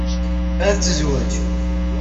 Ad tezwej.